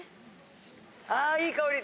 あいい香り。